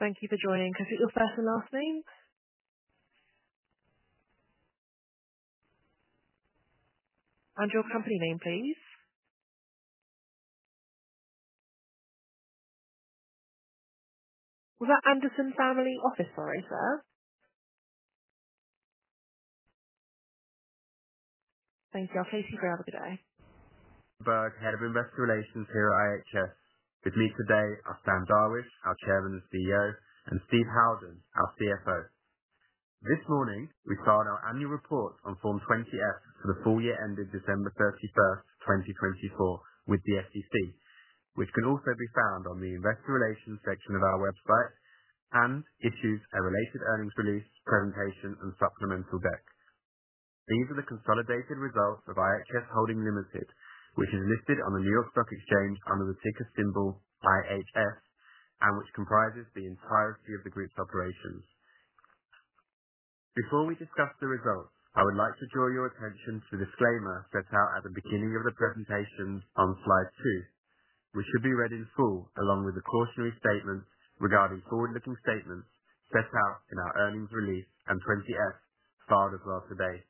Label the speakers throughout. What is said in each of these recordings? Speaker 1: Head of Investor Relations here at IHS. With me today, I have Sam Darwish, our Chairman and CEO, and Steve Howden, our CFO. This morning, we filed our annual report on Form 20-F for the full year ending December 31st, 2024, with the SEC, which can also be found on the Investor Relations section of our website, and issued a related earnings release, presentation, and supplemental deck. These are the consolidated results of IHS Holding Limited, which is listed on the New York Stock Exchange under the ticker symbol IHS, and which comprises the entirety of the group's operations. Before we discuss the results, I would like to draw your attention to the disclaimer set out at the beginning of the presentation on slide two, which should be read in full, along with the cautionary statements regarding forward-looking statements set out in our earnings release and 20-F filed as well today.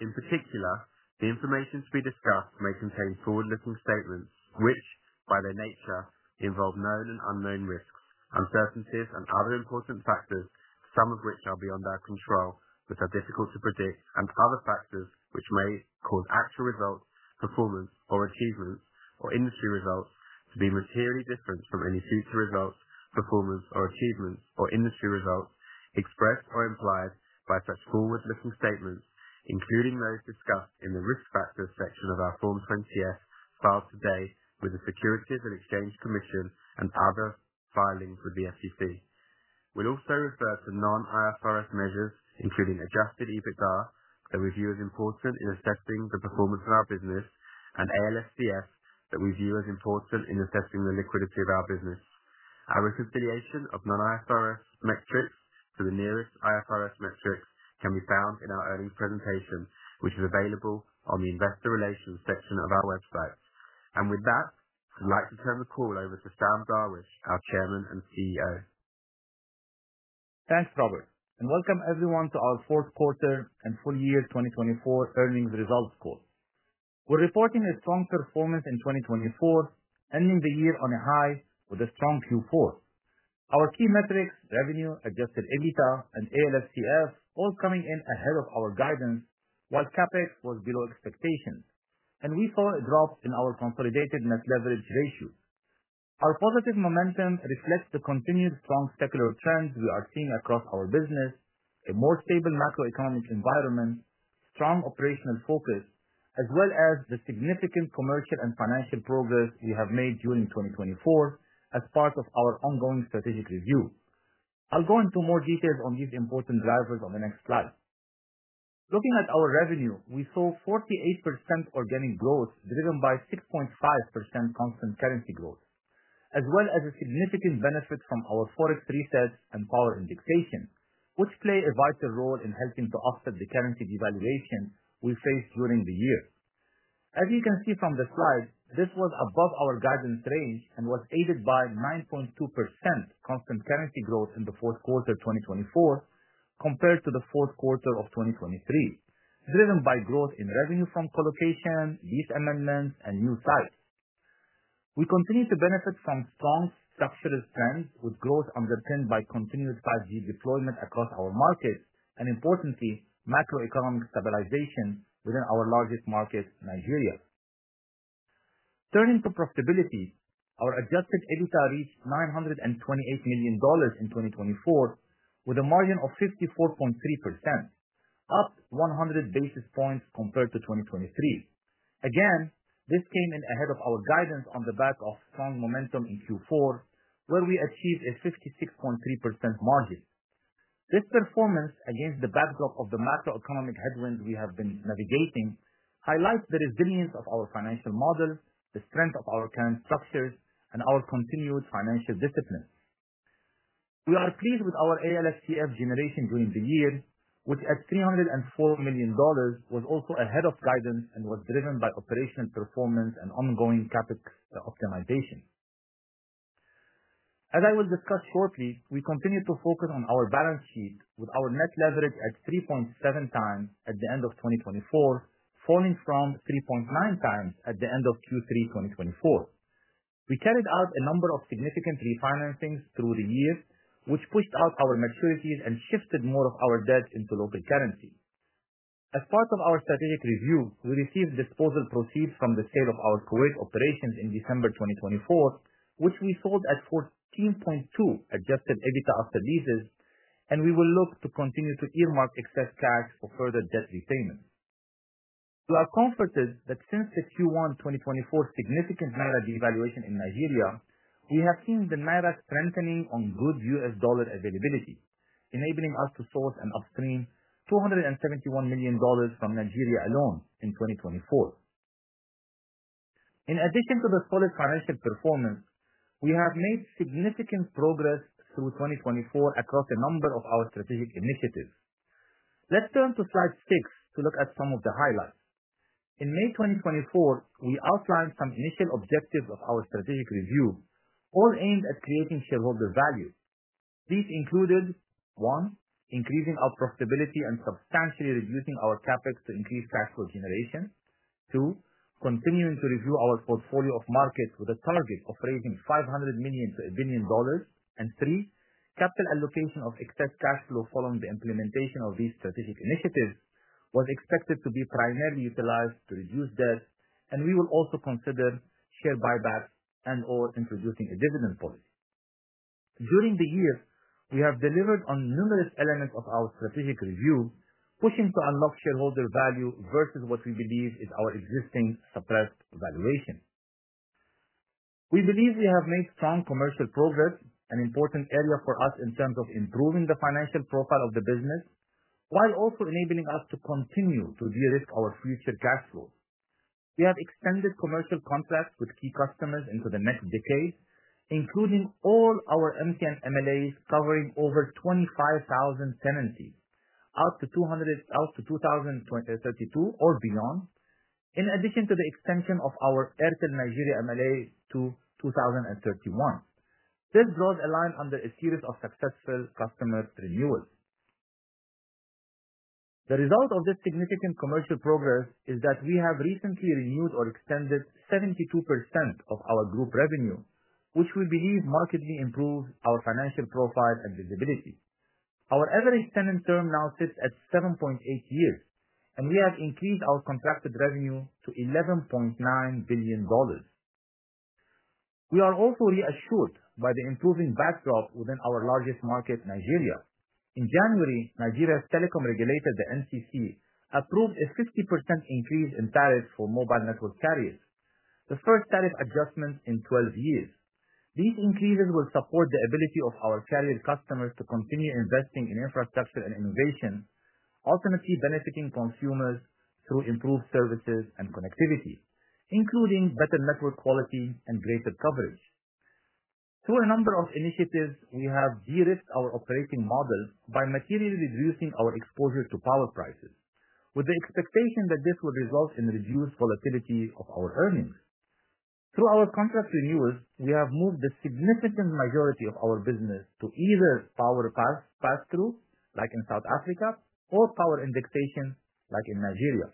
Speaker 1: In particular, the information to be discussed may contain forward-looking statements which, by their nature, involve known and unknown risks, uncertainties, and other important factors, some of which are beyond our control, which are difficult to predict, and other factors which may cause actual results, performance, or achievements, or industry results to be materially different from any future results, performance, or achievements, or industry results expressed or implied by such forward-looking statements, including those discussed in the risk factors section of our Form 20-F filed today with the Securities and Exchange Commission and other filings with the SEC. We'll also refer to non-IFRS measures, including adjusted EBITDA that we view as important in assessing the performance of our business, and ALFCF that we view as important in assessing the liquidity of our business. Our reconciliation of non-IFRS metrics to the nearest IFRS metrics can be found in our earnings presentation, which is available on the Investor Relations section of our website. With that, I'd like to turn the call over to Sam Darwish, our Chairman and CEO.
Speaker 2: Thanks, Robert. Welcome, everyone, to our fourth quarter and full year 2024 earnings results call. We are reporting a strong performance in 2024, ending the year on a high with a strong Q4. Our key metrics—revenue, adjusted EBITDA, and ALFCF—all coming in ahead of our guidance, while CapEx was below expectations, and we saw a drop in our consolidated net leverage ratio. Our positive momentum reflects the continued strong secular trends we are seeing across our business, a more stable macroeconomic environment, strong operational focus, as well as the significant commercial and financial progress we have made during 2024 as part of our ongoing strategic review. I will go into more details on these important drivers on the next slide. Looking at our revenue, we saw 48% organic growth driven by 6.5% constant currency growth, as well as a significant benefit from our FX resets and power indexation, which play a vital role in helping to offset the currency devaluation we faced during the year. As you can see from the slide, this was above our guidance range and was aided by 9.2% constant currency growth in the fourth quarter of 2024 compared to the fourth quarter of 2023, driven by growth in revenue from colocation, lease amendments, and new sites. We continue to benefit from strong structural trends with growth underpinned by continued 5G deployment across our markets and, importantly, macroeconomic stabilization within our largest market, Nigeria. Turning to profitability, our adjusted EBITDA reached $928 million in 2024 with a margin of 54.3%, up 100 basis points compared to 2023. Again, this came in ahead of our guidance on the back of strong momentum in Q4, where we achieved a 56.3% margin. This performance, against the backdrop of the macroeconomic headwinds we have been navigating, highlights the resilience of our financial model, the strength of our current structures, and our continued financial discipline. We are pleased with our ALFCF generation during the year, which at $304 million was also ahead of guidance and was driven by operational performance and ongoing CapEx optimization. As I will discuss shortly, we continue to focus on our balance sheet with our net leverage at 3.7x at the end of 2024, falling from 3.9x at the end of Q3 2024. We carried out a number of significant refinancings through the year, which pushed out our maturities and shifted more of our debt into local currency. As part of our strategic review, we received disposal proceeds from the sale of our Kuwait operations in December 2024, which we sold at 14.2 adjusted EBITDA after leases, and we will look to continue to earmark excess cash for further debt repayments. We are comforted that since the Q1 2024 significant naira devaluation in Nigeria, we have seen the naira strengthening on good U.S. dollar availability, enabling us to source and upstream $271 million from Nigeria alone in 2024. In addition to the solid financial performance, we have made significant progress through 2024 across a number of our strategic initiatives. Let's turn to slide six to look at some of the highlights. In May 2024, we outlined some initial objectives of our strategic review, all aimed at creating shareholder value. These included: one, increasing our profitability and substantially reducing our CapEx to increase cash flow generation; two, continuing to review our portfolio of markets with a target of raising $500 million-$1 billion; and three, capital allocation of excess cash flow following the implementation of these strategic initiatives was expected to be primarily utilized to reduce debt, and we will also consider share buybacks and/or introducing a dividend policy. During the year, we have delivered on numerous elements of our strategic review, pushing to unlock shareholder value versus what we believe is our existing suppressed valuation. We believe we have made strong commercial progress, an important area for us in terms of improving the financial profile of the business, while also enabling us to continue to de-risk our future cash flow. We have extended commercial contracts with key customers into the next decade, including all our MSAs and MLAs covering over 25,000 tenancies out to 2032 or beyond, in addition to the extension of our Airtel Nigeria MLA to 2031. This draws a line under a series of successful customer renewals. The result of this significant commercial progress is that we have recently renewed or extended 72% of our group revenue, which we believe markedly improves our financial profile and visibility. Our average tenant term now sits at 7.8 years, and we have increased our contracted revenue to $11.9 billion. We are also reassured by the improving backdrop within our largest market, Nigeria. In January, Nigeria's telecom regulator, the Nigerian Communications Commission, approved a 50% increase in tariffs for mobile network carriers, the first tariff adjustment in 12 years. These increases will support the ability of our carrier customers to continue investing in infrastructure and innovation, ultimately benefiting consumers through improved services and connectivity, including better network quality and greater coverage. Through a number of initiatives, we have de-risked our operating model by materially reducing our exposure to power prices, with the expectation that this will result in reduced volatility of our earnings. Through our contract renewals, we have moved the significant majority of our business to either power pass-through, like in South Africa, or power indexation, like in Nigeria,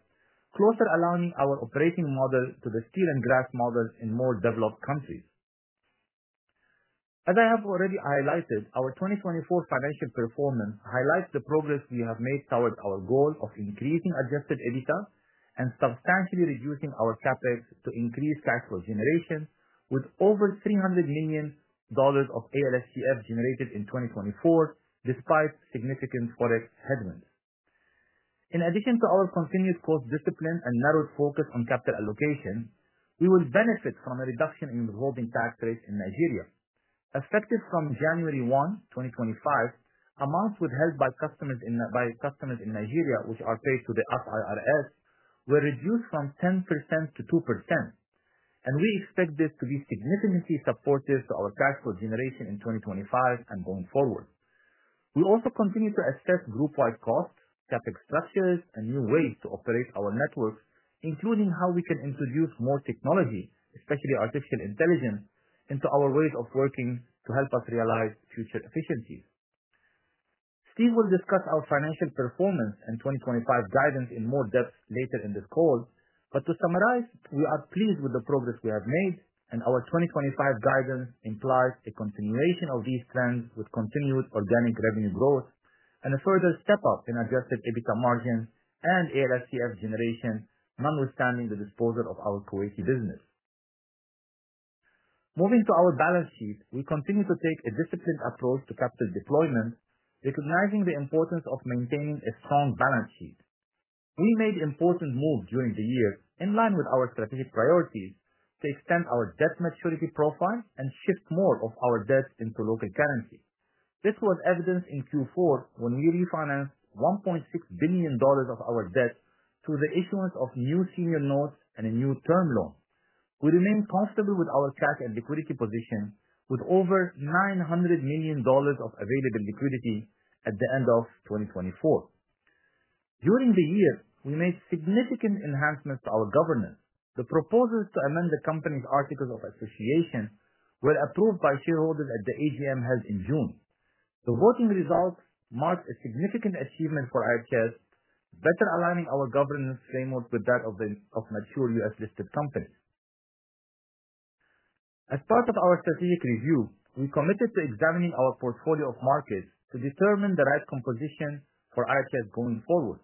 Speaker 2: closer aligning our operating model to the steel and glass model in more developed countries. As I have already highlighted, our 2024 financial performance highlights the progress we have made towards our goal of increasing adjusted EBITDA and substantially reducing our CapEx to increase cash flow generation, with over $300 million of ALFCF generated in 2024 despite significant FX headwinds. In addition to our continued course discipline and narrowed focus on capital allocation, we will benefit from a reduction in withholding tax rates in Nigeria. Effective from January 1, 2025, amounts withheld by customers in Nigeria, which are paid to the Federal Inland Revenue Service, were reduced from 10% to 2%, and we expect this to be significantly supportive to our cash flow generation in 2025 and going forward. We also continue to assess group-wide costs, CapEx structures, and new ways to operate our networks, including how we can introduce more technology, especially artificial intelligence, into our ways of working to help us realize future efficiencies. Steve will discuss our financial performance and 2025 guidance in more depth later in this call, but to summarize, we are pleased with the progress we have made, and our 2025 guidance implies a continuation of these trends with continued organic revenue growth and a further step-up in adjusted EBITDA margin and ALFCF generation, notwithstanding the disposal of our Kuwaiti business. Moving to our balance sheet, we continue to take a disciplined approach to capital deployment, recognizing the importance of maintaining a strong balance sheet. We made important moves during the year in line with our strategic priorities to extend our debt maturity profile and shift more of our debt into local currency. This was evidenced in Q4 when we refinanced $1.6 billion of our debt through the issuance of new senior notes and a new term loan. We remain comfortable with our cash and liquidity position, with over $900 million of available liquidity at the end of 2024. During the year, we made significant enhancements to our governance. The proposals to amend the company's articles of association were approved by shareholders at the AGM held in June. The voting results marked a significant achievement for IHS, better aligning our governance framework with that of mature US-listed companies. As part of our strategic review, we committed to examining our portfolio of markets to determine the right composition for IHS going forward.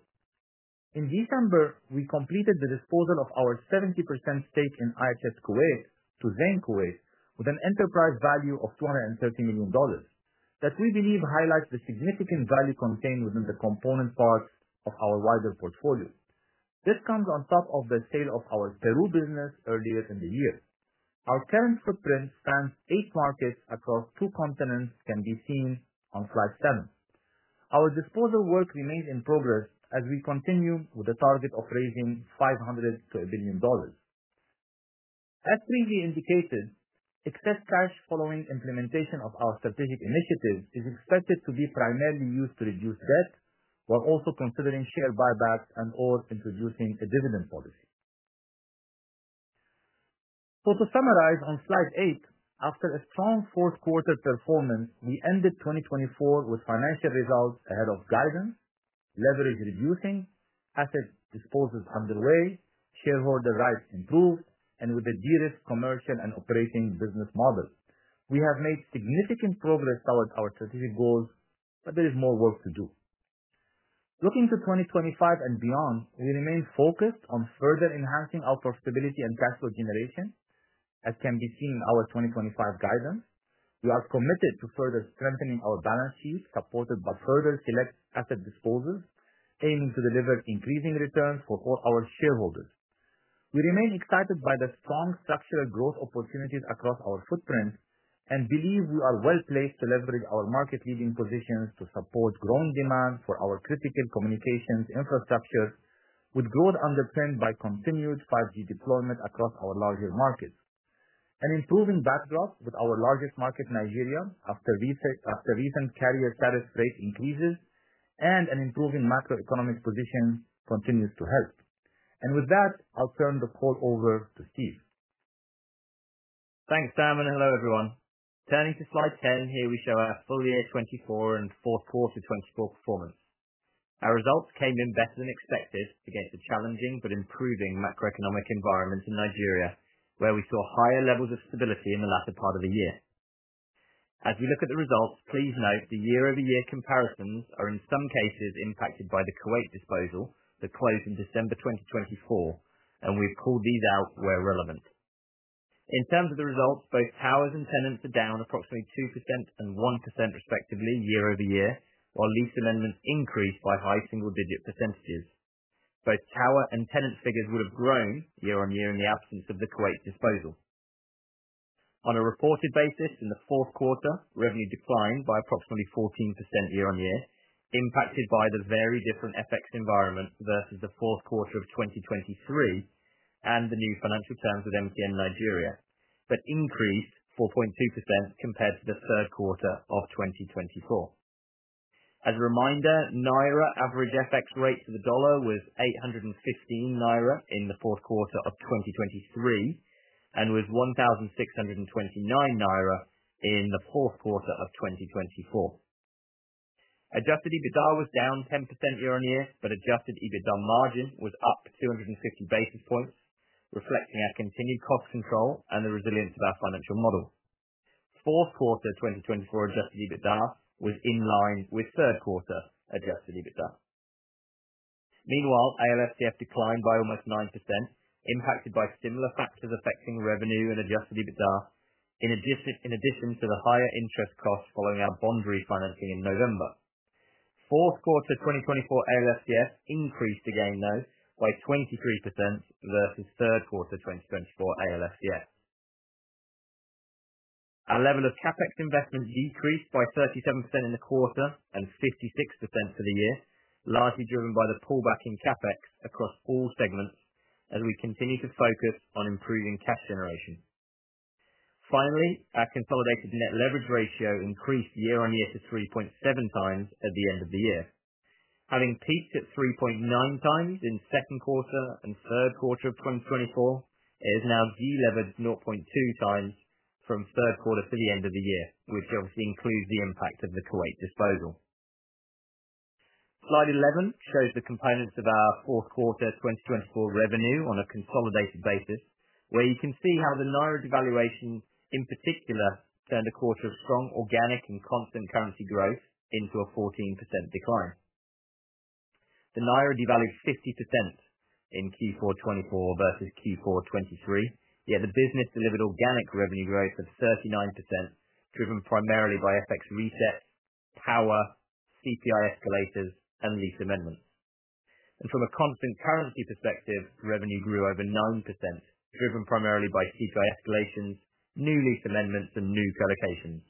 Speaker 2: In December, we completed the disposal of our 70% stake in IHS Kuwait to Zain Kuwait, with an enterprise value of $230 million that we believe highlights the significant value contained within the component parts of our wider portfolio. This comes on top of the sale of our Peru business earlier in the year. Our current footprint spans eight markets across two continents can be seen on slide seven. Our disposal work remains in progress as we continue with the target of raising $500 million-$1 billion. As previously indicated, excess cash following implementation of our strategic initiatives is expected to be primarily used to reduce debt, while also considering share buybacks and/or introducing a dividend policy. To summarize on slide eight, after a strong fourth quarter performance, we ended 2024 with financial results ahead of guidance, leverage reducing, asset disposals underway, shareholder rights improved, and with a de-risked commercial and operating business model. We have made significant progress towards our strategic goals, but there is more work to do. Looking to 2025 and beyond, we remain focused on further enhancing our profitability and cash flow generation, as can be seen in our 2025 guidance. We are committed to further strengthening our balance sheet supported by further select asset disposals, aiming to deliver increasing returns for all our shareholders. We remain excited by the strong structural growth opportunities across our footprint and believe we are well placed to leverage our market-leading positions to support growing demand for our critical communications infrastructure, with growth underpinned by continued 5G deployment across our larger markets. An improving backdrop with our largest market, Nigeria, after recent carrier tariff rate increases and an improving macroeconomic position continues to help. With that, I'll turn the call over to Steve.
Speaker 3: Thanks, Sam, and hello, everyone. Turning to slide 10 here, we show our full year 2024 and fourth quarter 2024 performance. Our results came in better than expected against a challenging but improving macroeconomic environment in Nigeria, where we saw higher levels of stability in the latter part of the year. As we look at the results, please note the year-over-year comparisons are in some cases impacted by the Kuwait disposal that closed in December 2024, and we've pulled these out where relevant. In terms of the results, both towers and tenants are down approximately 2% and 1% respectively year-over-year, while lease amendments increased by high single-digit percentages. Both tower and tenant figures would have grown year-on-year in the absence of the Kuwait disposal. On a reported basis, in the fourth quarter, revenue declined by approximately 14% year-on-year, impacted by the very different FX environment versus the fourth quarter of 2023 and the new financial terms with MTN Nigeria, but increased 4.2% compared to the third quarter of 2024. As a reminder, naira average FX rate to the dollar was 815 naira in the fourth quarter of 2023 and was 1,629 naira in the fourth quarter of 2024. Adjusted EBITDA was down 10% year-on-year, but adjusted EBITDA margin was up 250 basis points, reflecting our continued cost control and the resilience of our financial model. Fourth quarter 2024 adjusted EBITDA was in line with third quarter adjusted EBITDA. Meanwhile, ALFCF declined by almost 9%, impacted by similar factors affecting revenue and adjusted EBITDA, in addition to the higher interest costs following our bond refinancing in November. Fourth quarter 2024 ALFCF increased again, though, by 23% versus third quarter 2024 ALFCF. Our level of CapEx investment decreased by 37% in the quarter and 56% for the year, largely driven by the pullback in CapEx across all segments as we continue to focus on improving cash generation. Finally, our consolidated net leverage ratio increased year-on-year to 3.7x at the end of the year. Having peaked at 3.9x in second quarter and third quarter of 2024, it has now de-levered 0.2x from third quarter to the end of the year, which obviously includes the impact of the Kuwait disposal. Slide 11 shows the components of our fourth quarter 2024 revenue on a consolidated basis, where you can see how the naira devaluation in particular turned a quarter of strong organic and constant currency growth into a 14% decline. The naira devalued 50% in Q4 2024 versus Q4 2023, yet the business delivered organic revenue growth of 39%, driven primarily by FX resets, power, CPI escalators, and lease amendments. From a constant currency perspective, revenue grew over 9%, driven primarily by CPI escalations, new lease amendments, and new colocations.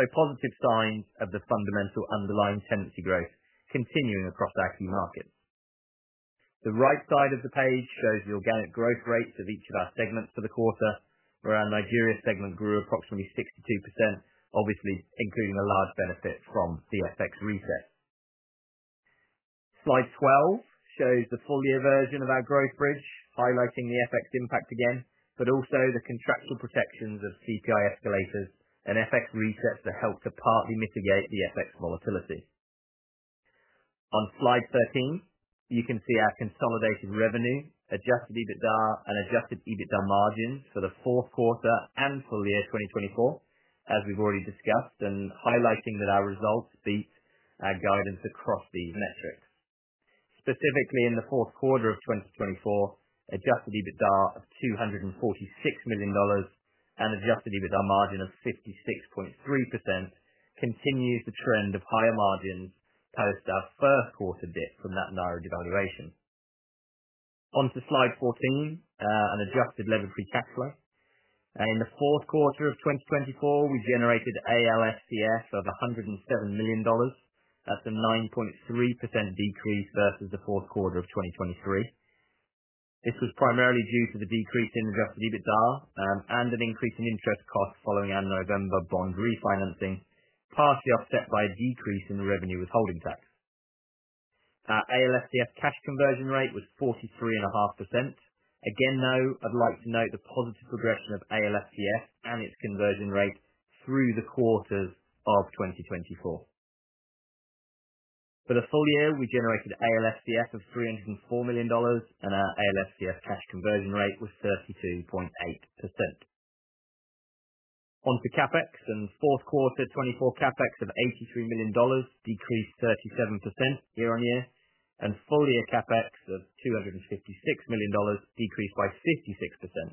Speaker 3: Positive signs of the fundamental underlying tenancy growth continuing across our key markets. The right side of the page shows the organic growth rates of each of our segments for the quarter. Our Nigeria segment grew approximately 62%, obviously including a large benefit from the FX reset. Slide 12 shows the full year version of our growth bridge, highlighting the FX impact again, but also the contractual protections of CPI escalators and FX resets that help to partly mitigate the FX volatility. On slide 13, you can see our consolidated revenue, adjusted EBITDA, and adjusted EBITDA margins for the fourth quarter and full year 2024, as we've already discussed, and highlighting that our results beat our guidance across these metrics. Specifically, in the fourth quarter of 2024, adjusted EBITDA of $246 million and adjusted EBITDA margin of 56.3% continues the trend of higher margins post our first quarter dip from that naira devaluation. Onto slide 14, an adjusted levered free cash flow. In the fourth quarter of 2024, we generated ALFCF of $107 million. That's a 9.3% decrease versus the fourth quarter of 2023. This was primarily due to the decrease in adjusted EBITDA and an increase in interest costs following our November bond refinancing, partially offset by a decrease in revenue withholding tax. Our ALFCF cash conversion rate was 43.5%. Again, though, I'd like to note the positive progression of ALFCF and its conversion rate through the quarters of 2024. For the full year, we generated ALFCF of $304 million, and our ALFCF cash conversion rate was 32.8%. Onto CapEx. In fourth quarter 2024, CapEx of $83 million decreased 37% year-on-year, and full year CapEx of $256 million decreased by 56%,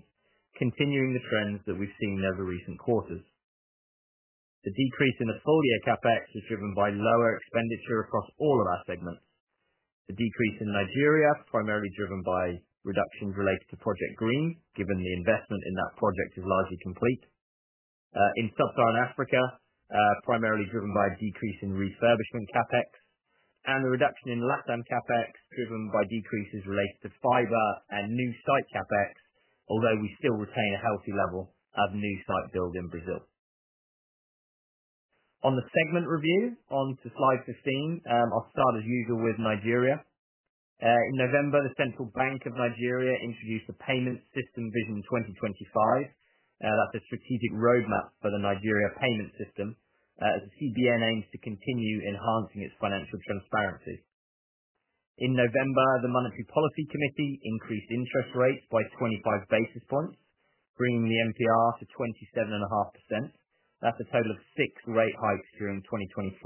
Speaker 3: continuing the trends that we've seen over recent quarters. The decrease in the full year CapEx was driven by lower expenditure across all of our segments. The decrease in Nigeria was primarily driven by reductions related to Project Green, given the investment in that project is largely complete. In Sub-Saharan Africa, primarily driven by a decrease in refurbishment CapEx, and the reduction in LATAM CapEx was driven by decreases related to fiber and new site CapEx, although we still retain a healthy level of new site build in Brazil. On the segment review, onto slide 15, I'll start as usual with Nigeria. In November, the Central Bank of Nigeria introduced the Payments System Vision 2025. That's a strategic roadmap for the Nigeria payment system, as the CBN aims to continue enhancing its financial transparency. In November, the Monetary Policy Committee increased interest rates by 25 basis points, bringing the MPR to 27.5%. That's a total of six rate hikes during 2024.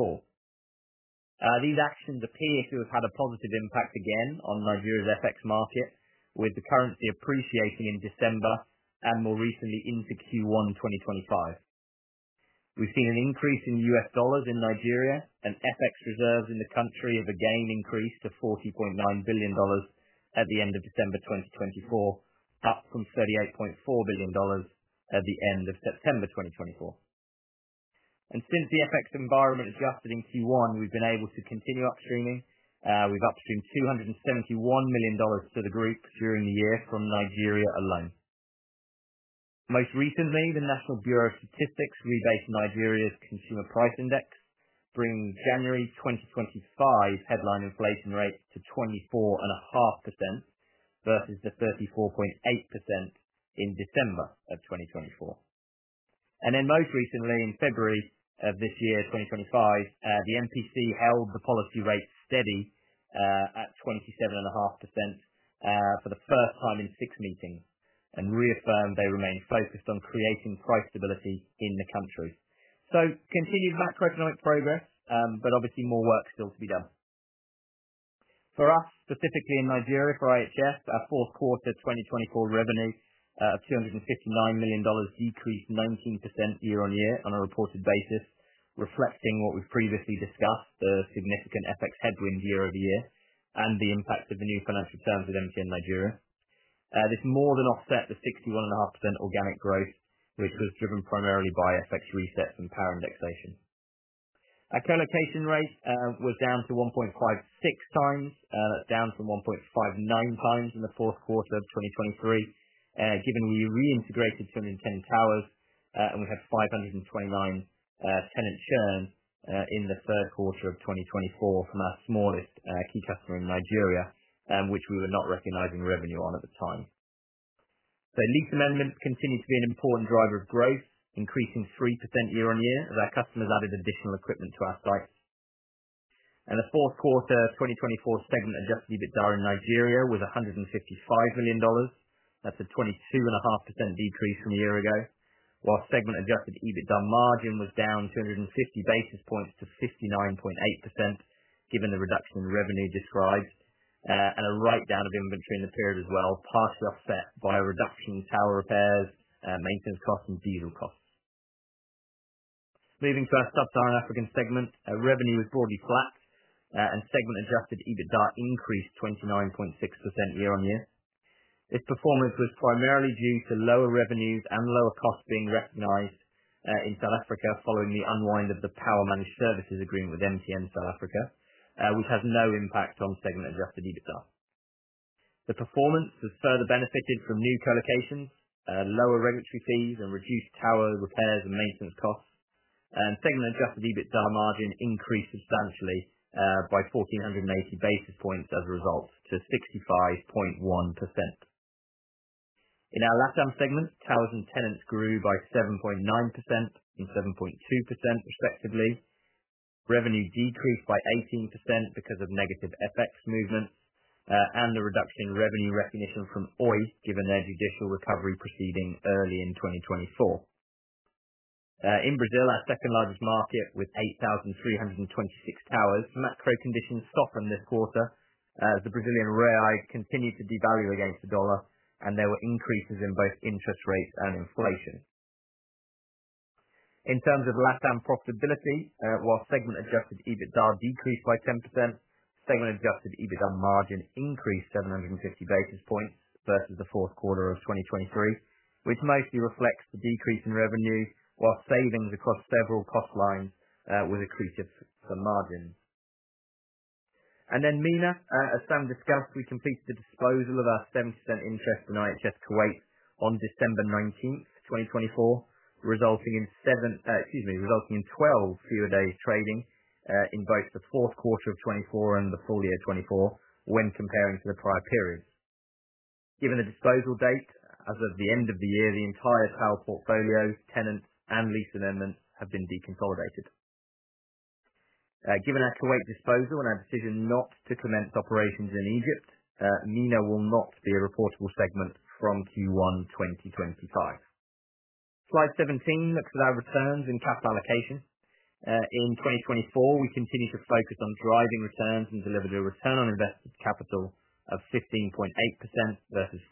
Speaker 3: These actions appear to have had a positive impact again on Nigeria's FX market, with the currency appreciating in December and more recently into Q1 2025. We've seen an increase in U.S. dollars in Nigeria, and FX reserves in the country have again increased to $40.9 billion at the end of December 2024, up from $38.4 billion at the end of September 2024. Since the FX environment adjusted in Q1, we've been able to continue upstreaming. We've upstreamed $271 million to the group during the year from Nigeria alone. Most recently, the National Bureau of Statistics rebased Nigeria's Consumer Price Index, bringing January 2025 headline inflation rates to 24.5% versus the 34.8% in December 2024. Most recently, in February of this year, 2025, the MPC held the policy rate steady at 27.5% for the first time in six meetings and reaffirmed they remained focused on creating price stability in the country. Continued macroeconomic progress, but obviously more work still to be done. For us, specifically in Nigeria for IHS, our fourth quarter 2024 revenue of $259 million decreased 19% year-on-year on a reported basis, reflecting what we've previously discussed, the significant FX headwind year-over-year and the impact of the new financial terms with MTN Nigeria. This more than offset the 61.5% organic growth, which was driven primarily by FX resets and power indexation. Our colocation rate was down to 1.56x, down from 1.59x in the fourth quarter of 2023, given we reintegrated 210 towers and we had 529 tenant churn in the third quarter of 2024 from our smallest key customer in Nigeria, which we were not recognizing revenue on at the time. Lease amendments continue to be an important driver of growth, increasing 3% year-on-year as our customers added additional equipment to our sites. The fourth quarter 2024 segment adjusted EBITDA in Nigeria was $155 million. That is a 22.5% decrease from a year ago, while segment adjusted EBITDA margin was down 250 basis points to 59.8%, given the reduction in revenue described, and a write-down of inventory in the period as well, partially offset by a reduction in tower repairs, maintenance costs, and diesel costs. Moving to our Sub-Saharan African segment, revenue was broadly flat, and segment adjusted EBITDA increased 29.6% year-on-year. This performance was primarily due to lower revenues and lower costs being recognized in South Africa following the unwind of the Power Managed Services Agreement with MTN South Africa, which has no impact on segment adjusted EBITDA. The performance has further benefited from new colocations, lower regulatory fees, and reduced tower repairs and maintenance costs, and segment adjusted EBITDA margin increased substantially by 1,480 basis points as a result to 65.1%. In our LATAM segment, towers and tenants grew by 7.9% and 7.2%, respectively. Revenue decreased by 18% because of negative FX movements and the reduction in revenue recognition from Oi, given their judicial recovery proceeding early in 2024. In Brazil, our second largest market with 8,326 towers, macro conditions softened this quarter as the Brazilian real continued to devalue against the dollar, and there were increases in both interest rates and inflation. In terms of LATAM profitability, while segment adjusted EBITDA decreased by 10%, segment adjusted EBITDA margin increased 750 basis points versus the fourth quarter of 2023, which mostly reflects the decrease in revenue, while savings across several cost lines were decreased for margins. MENA, as Sam discussed, we completed the disposal of our 70% interest in IHS Kuwait on December 19, 2024, resulting in 12 fewer days of trading in both the fourth quarter of 2024 and the full year 2024 when comparing to the prior periods. Given the disposal date, as of the end of the year, the entire tower portfolio, tenants, and lease amendments have been deconsolidated. Given our Kuwait disposal and our decision not to commence operations in Egypt, MENA will not be a reportable segment from Q1 2025. Slide 17 looks at our returns and capital allocation. In 2024, we continue to focus on driving returns and delivered a return on invested capital of 15.8% versus 14.6%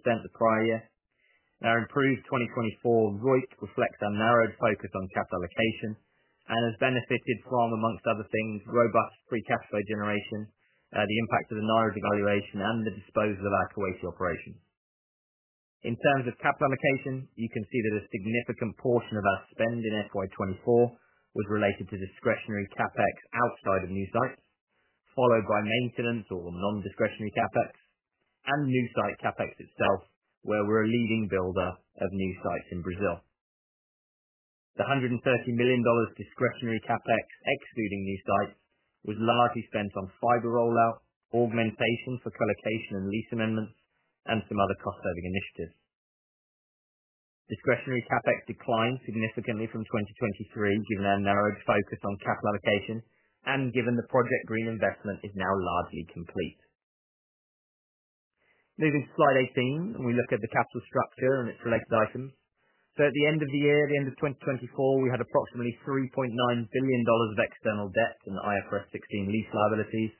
Speaker 3: the prior year. Our improved 2024 ROIC reflects our narrowed focus on capital allocation and has benefited from, amongst other things, robust free cash flow generation, the impact of the naira devaluation, and the disposal of our Kuwaiti operations. In terms of capital allocation, you can see that a significant portion of our spend in FY24 was related to discretionary CapEx outside of new sites, followed by maintenance or non-discretionary CapEx, and new site CapEx itself, where we're a leading builder of new sites in Brazil. The $130 million discretionary CapEx, excluding new sites, was largely spent on fiber rollout, augmentation for colocation and lease amendments, and some other cost-saving initiatives. Discretionary CapEx declined significantly from 2023, given our narrowed focus on capital allocation and given the Project Green investment is now largely complete. Moving to slide 18, we look at the capital structure and its related items. At the end of the year, the end of 2024, we had approximately $3.9 billion of external debt and IFRS 16 lease liabilities.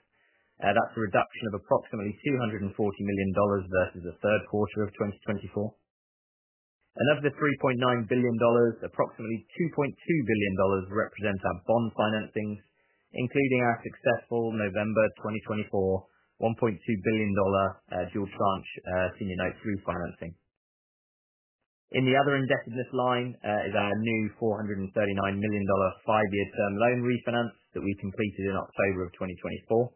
Speaker 3: That is a reduction of approximately $240 million versus the third quarter of 2024. Of the $3.9 billion, approximately $2.2 billion represents our bond financings, including our successful November 2024 $1.2 billion dual tranche senior notes refinancing. In the other indebtedness line is our new $439 million five-year term loan refinance that we completed in October of 2024.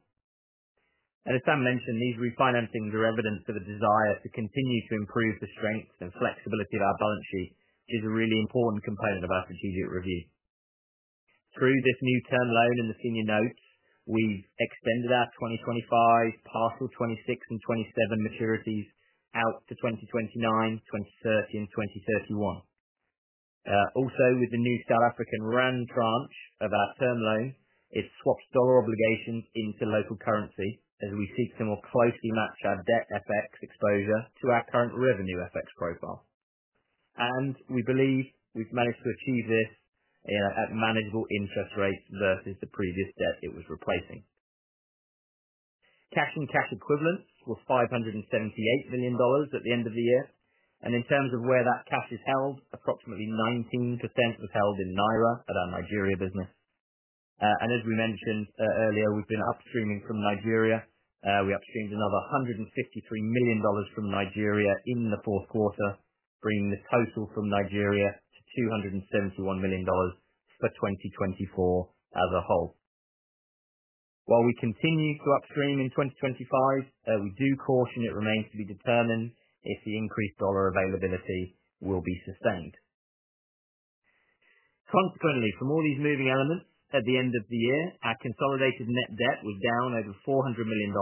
Speaker 3: As Sam mentioned, these refinancings are evidence of a desire to continue to improve the strength and flexibility of our balance sheet, which is a really important component of our strategic review. Through this new term loan and the senior notes, we have extended our 2025, partial 2026, and 2027 maturities out to 2029, 2030, and 2031. Also, with the new South African rand tranche of our term loan, it has swapped dollar obligations into local currency as we seek to more closely match our debt FX exposure to our current revenue FX profile. We believe we have managed to achieve this at manageable interest rates versus the previous debt it was replacing. Cash and cash equivalents were $578 million at the end of the year. In terms of where that cash is held, approximately 19% was held in naira at our Nigeria business. As we mentioned earlier, we've been upstreaming from Nigeria. We upstreamed another $153 million from Nigeria in the fourth quarter, bringing the total from Nigeria to $271 million for 2024 as a whole. While we continue to upstream in 2025, we do caution it remains to be determined if the increased dollar availability will be sustained. Consequently, from all these moving elements at the end of the year, our consolidated net debt was down over $400 million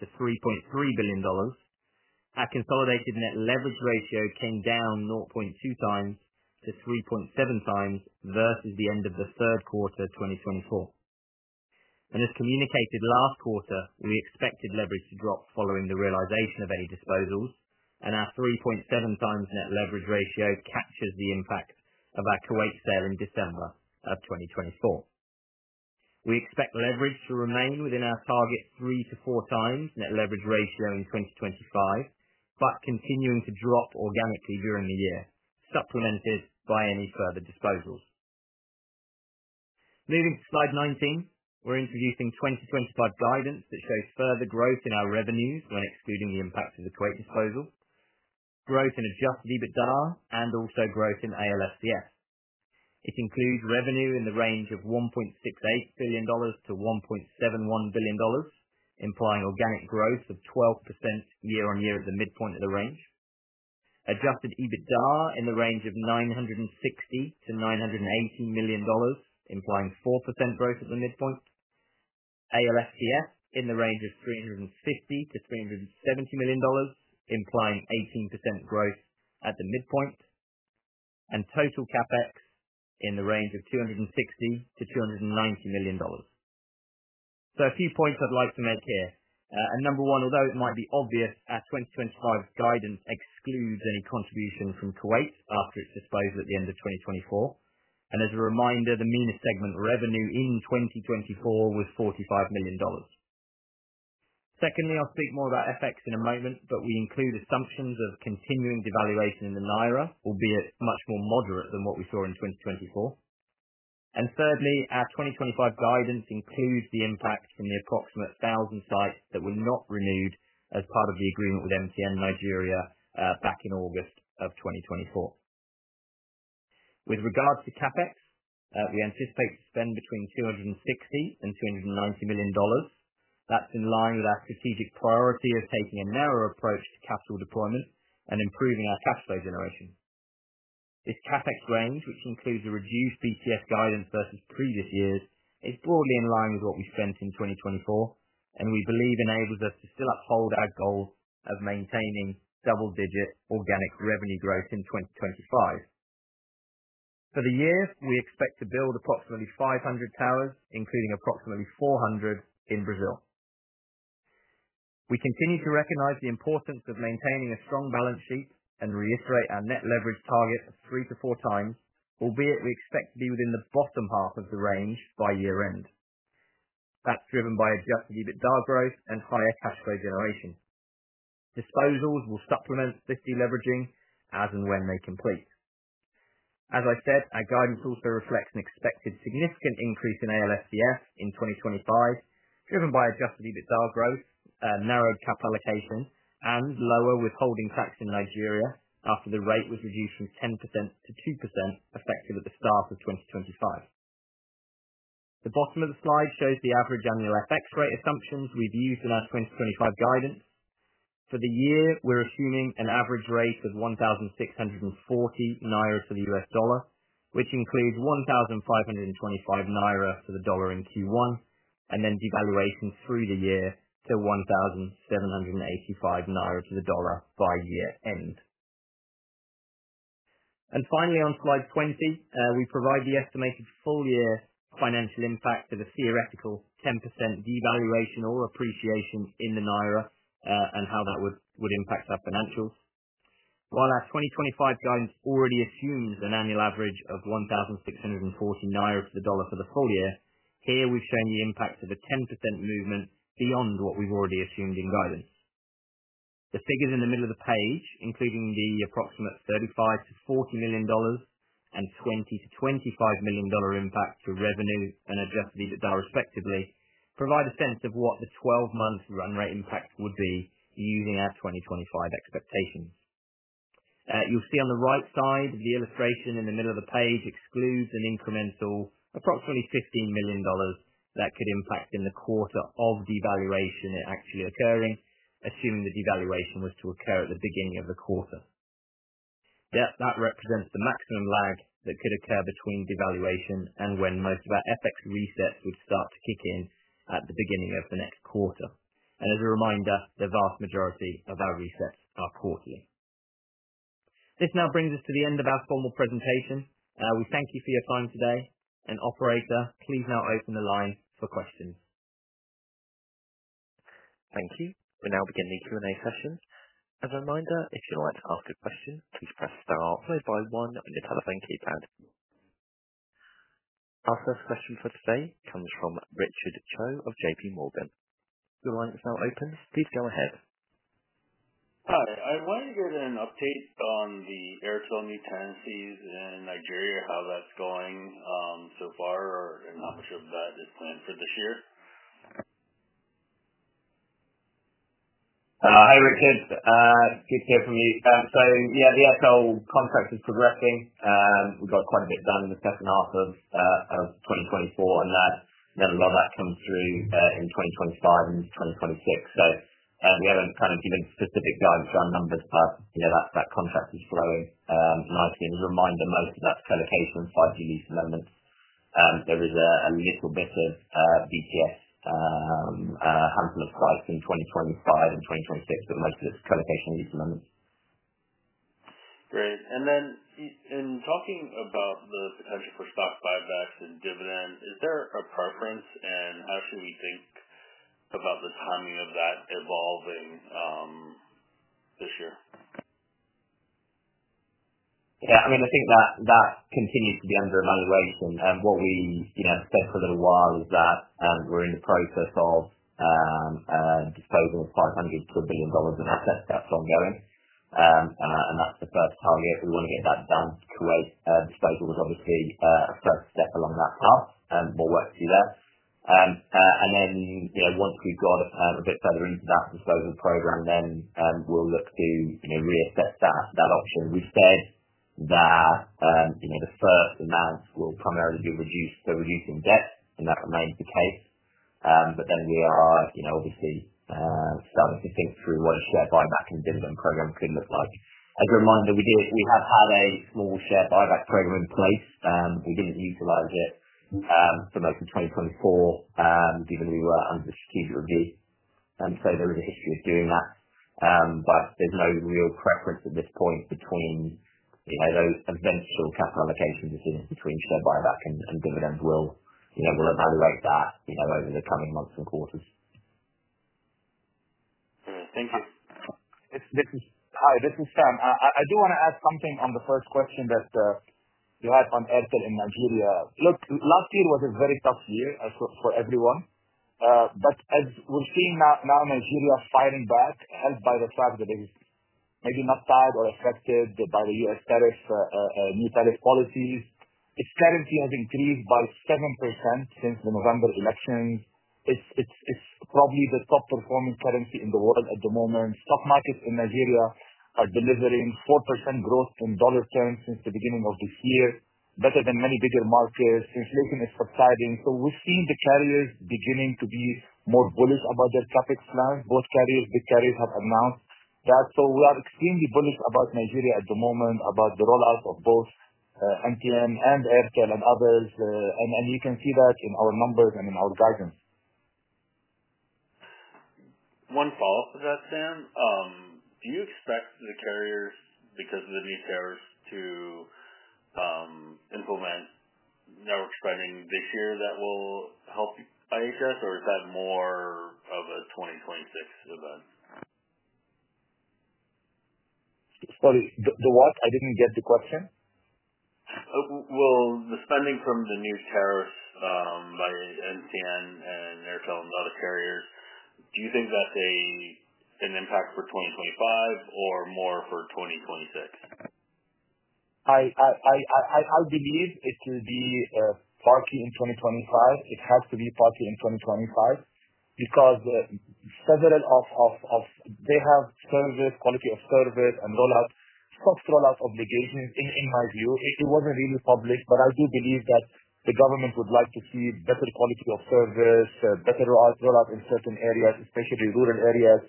Speaker 3: to $3.3 billion. Our consolidated net leverage ratio came down 0.2x to 3.7x versus the end of the third quarter 2024. As communicated last quarter, we expected leverage to drop following the realization of any disposals, and our 3.7x net leverage ratio captures the impact of our Kuwait sale in December of 2024. We expect leverage to remain within our target three to four times net leverage ratio in 2025, but continuing to drop organically during the year, supplemented by any further disposals. Moving to slide 19, we're introducing 2025 guidance that shows further growth in our revenues when excluding the impact of the Kuwait disposals, growth in adjusted EBITDA, and also growth in ALFCF. It includes revenue in the range of $1.68 billion-$1.71 billion, implying organic growth of 12% year-on-year at the midpoint of the range. Adjusted EBITDA in the range of $960 million-$980 million, implying 4% growth at the midpoint. ALFCF in the range of $350 million-$370 million, implying 18% growth at the midpoint. Total CapEx in the range of $260 million-$290 million. A few points I'd like to make here. Number one, although it might be obvious, our 2025 guidance excludes any contribution from Kuwait after its disposal at the end of 2024. As a reminder, the MENA segment revenue in 2024 was $45 million. Secondly, I'll speak more about FX in a moment, but we include assumptions of continuing devaluation in the naira, albeit much more moderate than what we saw in 2024. Thirdly, our 2025 guidance includes the impact from the approximate 1,000 sites that were not renewed as part of the agreement with MTN Nigeria back in August of 2024. With regards to CapEx, we anticipate to spend between $260 million and $290 million. That is in line with our strategic priority of taking a narrower approach to capital deployment and improving our cash flow generation. This CapEx range, which includes a reduced BTS guidance versus previous years, is broadly in line with what we spent in 2024, and we believe enables us to still uphold our goal of maintaining double-digit organic revenue growth in 2025. For the year, we expect to build approximately 500 towers, including approximately 400 in Brazil. We continue to recognize the importance of maintaining a strong balance sheet and reiterate our net leverage target of three to four times, albeit we expect to be within the bottom half of the range by year-end. That is driven by adjusted EBITDA growth and higher cash flow generation. Disposals will supplement deleveraging as and when they complete. As I said, our guidance also reflects an expected significant increase in ALFCF in 2025, driven by adjusted EBITDA growth, narrowed capital allocation, and lower withholding tax in Nigeria after the rate was reduced from 10% to 2% effective at the start of 2025. The bottom of the slide shows the average annual FX rate assumptions we've used in our 2025 guidance. For the year, we're assuming an average rate of 1,640 naira to the U.S. dollar, which includes 1,525 naira to the dollar in Q1, and then devaluation through the year to 1,785 naira to the dollar by year-end. Finally, on slide 20, we provide the estimated full-year financial impact of a theoretical 10% devaluation or appreciation in the naira and how that would impact our financials. While our 2025 guidance already assumes an annual average of 1,640 naira to the dollar for the full year, here we've shown the impact of a 10% movement beyond what we've already assumed in guidance. The figures in the middle of the page, including the approximate $35-$40 million and $20-$25 million impact to revenue and adjusted EBITDA respectively, provide a sense of what the 12-month run rate impact would be using our 2025 expectations. You'll see on the right side, the illustration in the middle of the page excludes an incremental approximately $15 million that could impact in the quarter of devaluation actually occurring, assuming the devaluation was to occur at the beginning of the quarter. That represents the maximum lag that could occur between devaluation and when most of our FX resets would start to kick in at the beginning of the next quarter. As a reminder, the vast majority of our resets are quarterly. This now brings us to the end of our formal presentation. We thank you for your time today. Operator, please now open the line for questions.
Speaker 4: Thank you. We'll now begin the Q&A session. As a reminder, if you'd like to ask a question, please press star followed by one on your telephone keypad. Our first question for today comes from Richard Choe of JP Morgan. Your line is now open. Please go ahead.
Speaker 5: Hi. I wanted to get an update on the Airtel new tenancies in Nigeria, how that's going so far and how much of that is planned for this year.
Speaker 3: Hi Richard. Good to hear from you. Yeah, the Airtel contract is progressing. We've got quite a bit done in the second half of 2024, and then a lot of that comes through in 2025 and 2026. We haven't kind of given specific guidance around numbers, but yeah, that contract is flowing nicely. As a reminder, most of that's colocation and 5G lease amendments. There is a little bit of BTS, handful of sites in 2025 and 2026, but most of it's colocation and lease amendments.
Speaker 5: Great. In talking about the potential for stock buybacks and dividend, is there a preference, and how should we think about the timing of that evolving this year?
Speaker 3: Yeah. I mean, I think that continues to be under evaluation. What we said for a little while is that we're in the process of disposal of $500 million to $1 billion in assets that's ongoing. That's the first target.
Speaker 2: We want to get that done. Kuwait disposal was obviously a first step along that path. More work to do there. Once we have got a bit further into that disposal program, we will look to reassess that option. We said that the first amount will primarily be used for reducing debt, and that remains the case. We are obviously starting to think through what a share buyback and dividend program could look like. As a reminder, we have had a small share buyback program in place. We did not utilize it for most of 2024, given we were under the strategic review. There is a history of doing that. There is no real preference at this point between those eventual capital allocation decisions between share buyback and dividend. We will evaluate that over the coming months and quarters.
Speaker 5: Great. Thank you.
Speaker 2: Hi, this is Sam. I do want to add something on the first question that you had on Airtel Nigeria. Look, last year was a very tough year for everyone. As we're seeing now, Nigeria is firing back, helped by the fact that it is maybe not tied or affected by the U.S. tariff, new tariff policies. Its currency has increased by 7% since the November elections. It's probably the top-performing currency in the world at the moment. Stock markets in Nigeria are delivering 4% growth in dollar terms since the beginning of this year, better than many bigger markets. Inflation is subsiding. We've seen the carriers beginning to be more bullish about their CapEx plans. Both carriers, big carriers, have announced that. We are extremely bullish about Nigeria at the moment, about the rollout of both MTN and Airtel and others. You can see that in our numbers and in our guidance.
Speaker 5: One follow-up to that, Sam. Do you expect the carriers, because of the new tariffs, to implement network spending this year that will help IHS, or is that more of a 2026 event?
Speaker 2: Sorry, the what? I did not get the question.
Speaker 5: The spending from the new tariffs by MTN and Airtel and other carriers, do you think that is an impact for 2025 or more for 2026?
Speaker 2: I believe it will be partly in 2025. It has to be partly in 2025 because several of them have service, quality of service, and rollout, soft rollout obligations, in my view. It was not really published, but I do believe that the government would like to see better quality of service, better rollout in certain areas, especially rural areas.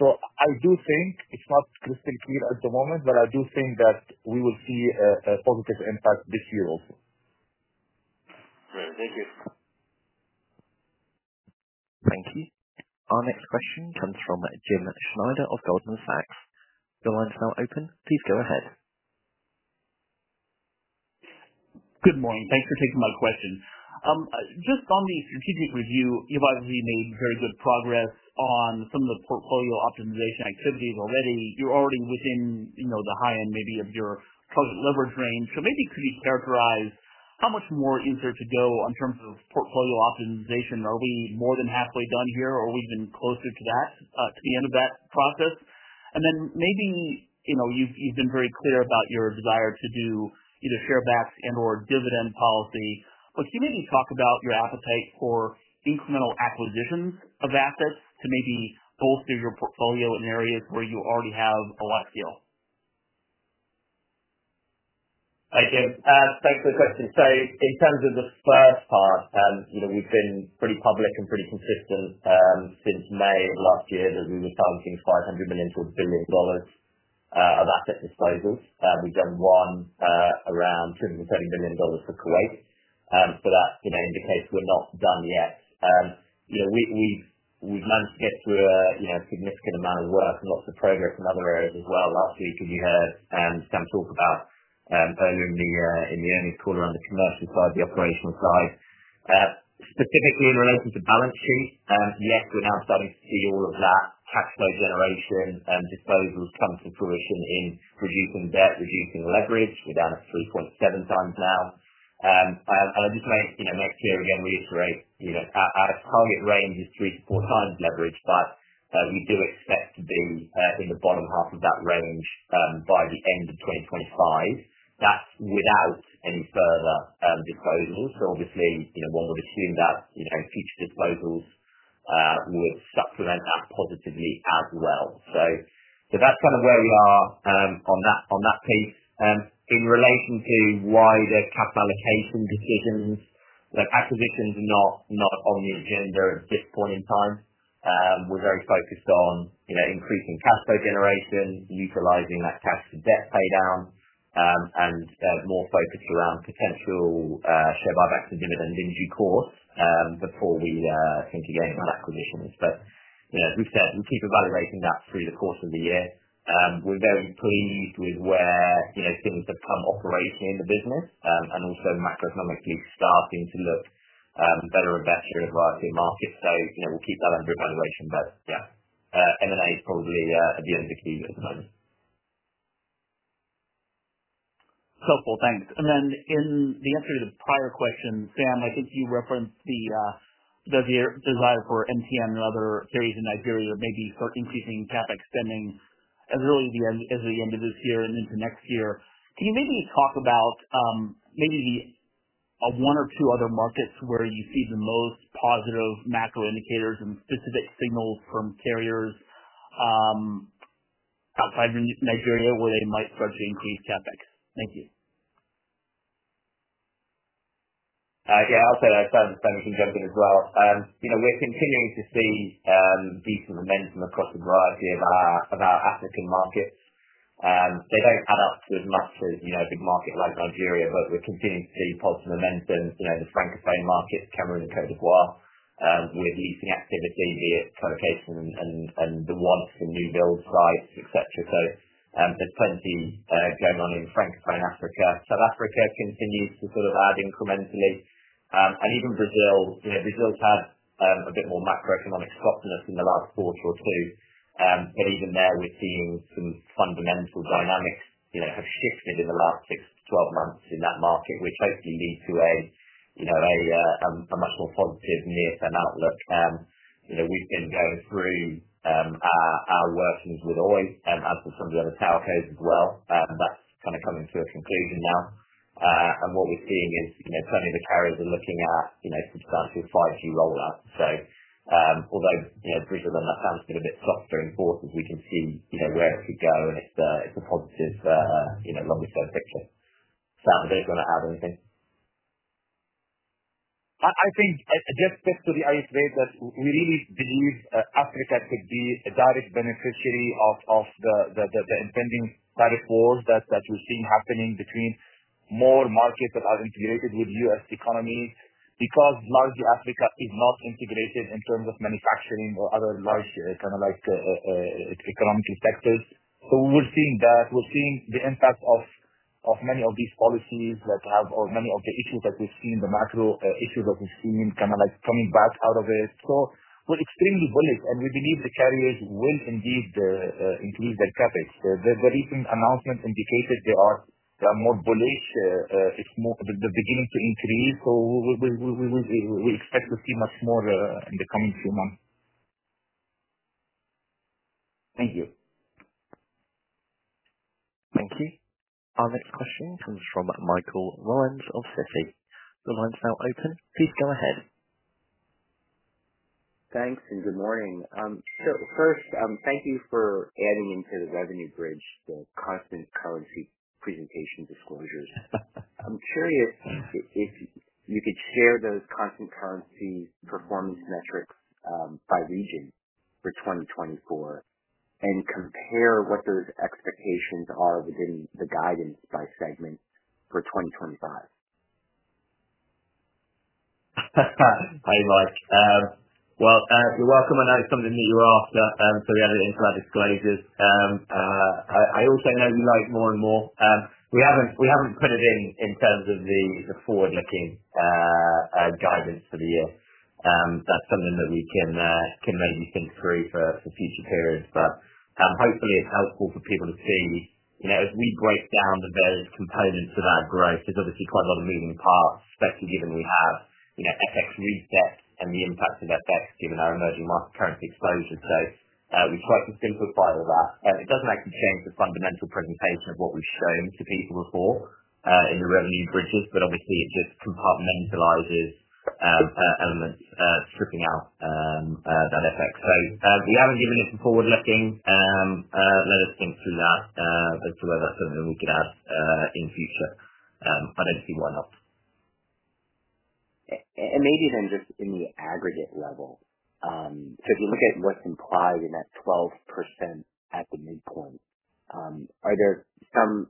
Speaker 2: I do think it's not crystal clear at the moment, but I do think that we will see a positive impact this year also.
Speaker 5: Great. Thank you.
Speaker 4: Thank you. Our next question comes from Jim Schneider of Goldman Sachs. Your line is now open. Please go ahead.
Speaker 6: Good morning. Thanks for taking my question. Just on the strategic review, you've obviously made very good progress on some of the portfolio optimization activities already. You're already within the high end maybe of your target leverage range. Maybe could you characterize how much more is there to go in terms of portfolio optimization? Are we more than halfway done here, or are we even closer to that, to the end of that process? Maybe you've been very clear about your desire to do either share backs and/or dividend policy. Can you maybe talk about your appetite for incremental acquisitions of assets to maybe bolster your portfolio in areas where you already have a lot of skill?
Speaker 3: Hi, Jim. Thanks for the question. In terms of the first part, we've been pretty public and pretty consistent since May of last year that we were targeting $500 million-$1 billion of asset disposals. We've done one around $230 million for Kuwait. That indicates we're not done yet. We've managed to get through a significant amount of work and lots of progress in other areas as well. Last week, as you heard Sam talk about earlier in the earnings call around the commercial side, the operational side. Specifically in relation to balance sheet, yes, we're now starting to see all of that cash flow generation and disposals come to fruition in reducing debt, reducing leverage. We're down at 3.7x now. I just make clear again, reiterate, our target range is 3-4x leverage, but we do expect to be in the bottom half of that range by the end of 2025. That's without any further disposals. Obviously, one would assume that future disposals would supplement that positively as well. That's kind of where we are on that piece. In relation to wider capital allocation decisions, acquisitions are not on the agenda at this point in time. We're very focused on increasing cash flow generation, utilizing that cash-to-debt paydown, and more focus around potential share buybacks and dividend in due course before we think again about acquisitions. As we've said, we'll keep evaluating that through the course of the year. We're very pleased with where things have come operationally in the business and also macroeconomically starting to look better and better in relation to the market. We'll keep that under evaluation. Yeah, M&A is probably at the end of the queue at the moment.
Speaker 6: Cool. Thanks. In the answer to the prior question, Sam, I think you referenced the desire for MTN and other carriers in Nigeria maybe to start increasing CapEx spending as early as the end of this year and into next year. Can you talk about one or two other markets where you see the most positive macro indicators and specific signals from carriers outside Nigeria where they might start to increase CapEx? Thank you.
Speaker 3: I'll say that. Sam, you can jump in as well. We're continuing to see decent momentum across a variety of our African markets. They don't add up to as much as a big market like Nigeria, but we're continuing to see positive momentum in the Francophone market, Cameroon, and Côte d'Ivoire with leasing activity, be it colocation and the wants for new build sites, etc. There is plenty going on in Francophone Africa. South Africa continues to sort of add incrementally. Even Brazil, Brazil's had a bit more macroeconomic softness in the last quarter or two. Even there, we're seeing some fundamental dynamics have shifted in the last 6-12 months in that market, which hopefully leads to a much more positive near-term outlook. We've been going through our workings with Oi S.A. as with some of the other towercos as well. That is kind of coming to a conclusion now. What we're seeing is plenty of the carriers are looking at substantial 5G rollouts. Although Brazil and that sounds a bit softer in forecast, we can see where it could go, and it's a positive longer-term picture. Sam, I don't want to add anything.
Speaker 2: I think just to the IHS, we really believe Africa could be a direct beneficiary of the impending tariff wars that we're seeing happening between more markets that are integrated with U.S. economies because largely Africa is not integrated in terms of manufacturing or other large kind of economic sectors. We're seeing that. We're seeing the impact of many of these policies that have or many of the issues that we've seen, the macro issues that we've seen kind of like coming back out of it. We're extremely bullish, and we believe the carriers will indeed increase their CapEx. The recent announcement indicated they are more bullish. It's beginning to increase. We expect to see much more in the coming few months.
Speaker 6: Thank you.
Speaker 4: Thank you. Our next question comes from Michael Rollins of Citi. Your line's now open. Please go ahead.
Speaker 7: Thanks and good morning. First, thank you for adding into the revenue bridge the constant currency presentation disclosures. I'm curious if you could share those constant currency performance metrics by region for 2024 and compare what those expectations are within the guidance by segment for 2025.
Speaker 3: Hi Mike. You're welcome. I know it's something that you're after, so we added into our disclosures. I also know you like more and more. We haven't put it in in terms of the forward-looking guidance for the year. That's something that we can maybe think through for future periods. Hopefully, it's helpful for people to see as we break down the various components of our growth. There's obviously quite a lot of moving parts, especially given we have FX reset and the impact of FX given our emerging market currency exposure. We try to simplify all that. It doesn't actually change the fundamental presentation of what we've shown to people before in the revenue bridges, but obviously, it just compartmentalizes elements stripping out that FX. We haven't given it to forward-looking. Let us think through that as to whether that's something we could add in future. I don't see why not.
Speaker 7: Maybe then just in the aggregate level, if you look at what's implied in that 12% at the midpoint, are there some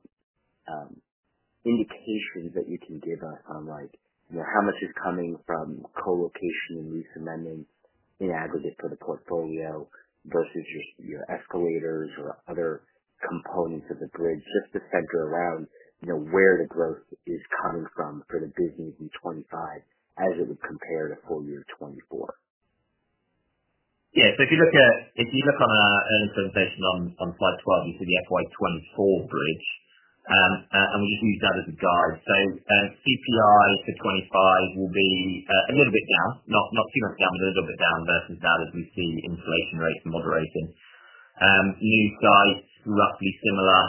Speaker 7: indications that you can give us on how much is coming from colocation and lease amendments in aggregate for the portfolio versus your escalators or other components of the bridge just to center around where the growth is coming from for the business in 2025 as it would compare to full year 2024?
Speaker 3: Yeah. If you look at the earnings presentation on slide 12, you see the FY 2024 bridge. We just use that as a guide. CPI for 2025 will be a little bit down, not too much down, but a little bit down versus that as we see inflation rates moderating. New sites roughly similar.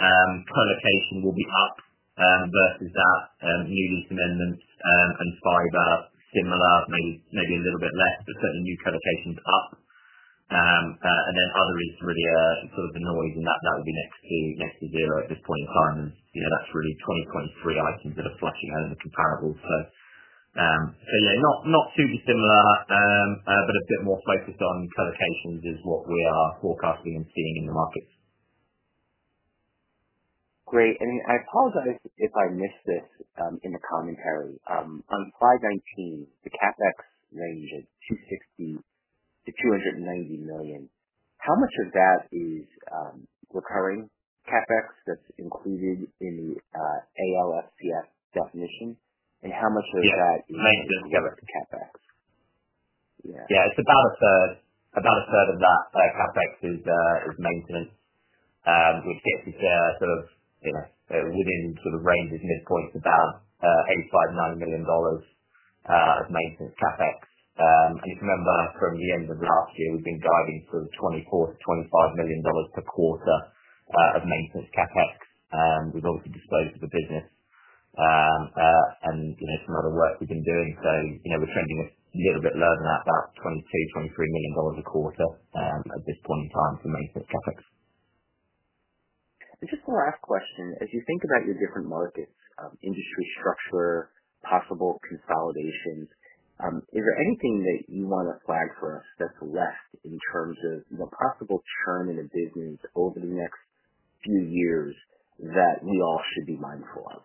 Speaker 3: Colocation will be up versus that. New lease amendments and fiber similar, maybe a little bit less, but certainly new colocations up. Other is really sort of the noise in that that would be next to zero at this point in time. That is really 2023 items that are flushing out in the comparables. Yeah, not too dissimilar, but a bit more focused on colocations is what we are forecasting and seeing in the markets.
Speaker 7: Great. I apologize if I missed this in the commentary. On slide 19, the CapEx range is $260 million-$290 million. How much of that is recurring CapEx that is included in the ALFCF definition? How much of that is maintenance together with the CapEx?
Speaker 3: Yeah. It is about a third. About a third of that CapEx is maintenance, which gets us sort of within sort of ranges midpoint about $85 million, $9 million of maintenance CapEx. If you remember from the end of last year, we've been guiding sort of $24 million-$25 million per quarter of maintenance CapEx. We've obviously disclosed to the business and some other work we've been doing. We're trending a little bit lower than that, about $22 million-$23 million a quarter at this point in time for maintenance CapEx.
Speaker 7: Just the last question. As you think about your different markets, industry structure, possible consolidations, is there anything that you want to flag for us that's left in terms of possible churn in the business over the next few years that we all should be mindful of?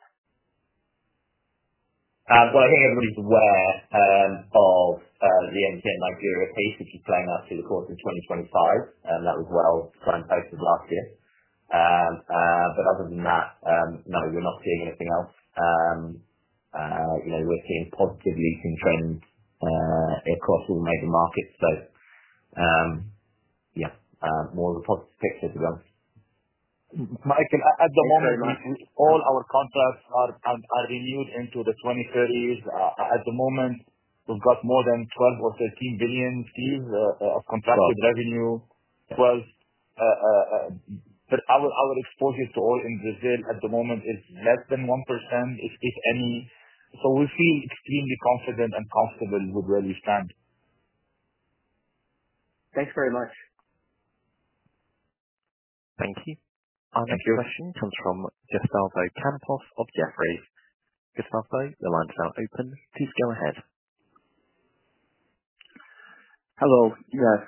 Speaker 3: I think everybody's aware of the MTN Nigeria piece which is playing out through the course of 2025. That was well signposted last year. Other than that, no, we're not seeing anything else. We're seeing positive leasing trends across all major markets. Yeah, more of a positive picture to go.
Speaker 2: Mike, at the moment, all our contracts are renewed into the 2030s. At the moment, we've got more than $12 billion or $13 billion of contracted revenue. Our exposure to Oi in Brazil at the moment is less than 1%, if any. We feel extremely confident and comfortable with where we stand.
Speaker 7: Thanks very much.
Speaker 4: Thank you. Our next question comes from Gustavo Campos of Jefferies. Gustavo, your line's now open. Please go ahead.
Speaker 8: Hello. Yes.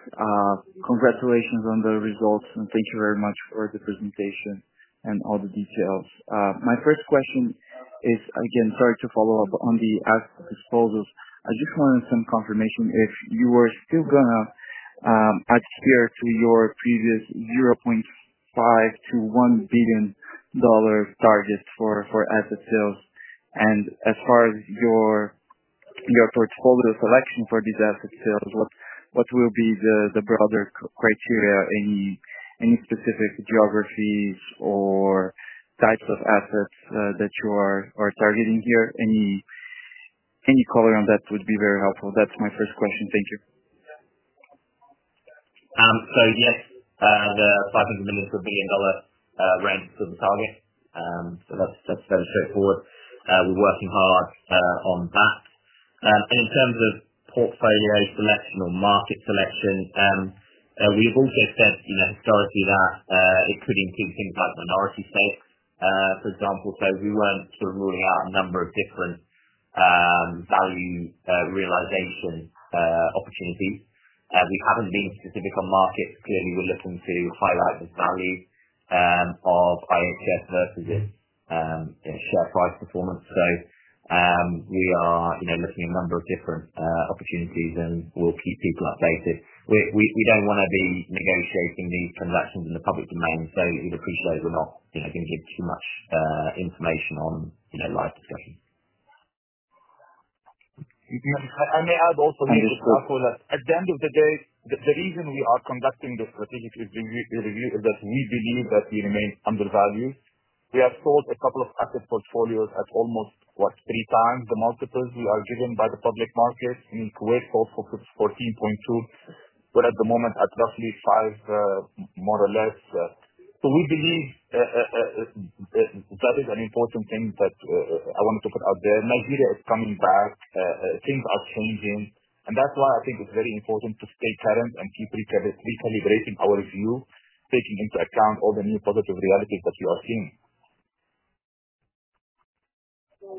Speaker 8: Congratulations on the results, and thank you very much for the presentation and all the details. My first question is, again, sorry to follow up on the disposals. I just wanted some confirmation if you were still going to adhere to your previous $500 million-$1 billion target for asset sales. As far as your portfolio selection for these asset sales, what will be the broader criteria? Any specific geographies or types of assets that you are targeting here? Any color on that would be very helpful. That's my first question.
Speaker 3: Thank you. Yes, the $500 million-$1 billion range is sort of the target. That's fairly straightforward. We're working hard on that. In terms of portfolio selection or market selection, we have also said historically that it could include things like minority stakes, for example. We were not ruling out a number of different value realization opportunities. We have not been specific on markets. Clearly, we are looking to highlight the value of IHS versus its share price performance. We are looking at a number of different opportunities, and we will keep people updated. We do not want to be negotiating these transactions in the public domain. We would appreciate it. We are not going to give too much information on live discussions. May I also make a remark on that? At the end of the day, the reason we are conducting this strategic review is that we believe that we remain undervalued. We have sold a couple of asset portfolios at almost, what, three times the multiples we are given by the public market. In Kuwait, sold for 14.2x. We are at the moment at roughly 5, more or less. We believe that is an important thing that I wanted to put out there. Nigeria is coming back. Things are changing. That is why I think it is very important to stay current and keep recalibrating our view, taking into account all the new positive realities that we are seeing.